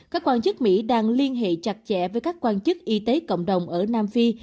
các quan chức mỹ đang liên hệ chặt chẽ với các quan chức y tế cộng đồng ở nam phi